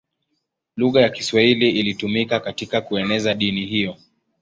Lugha ya Kiswahili ilitumika katika kueneza dini hiyo.